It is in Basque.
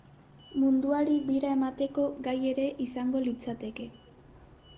Munduari bira emateko gai ere izango litzateke.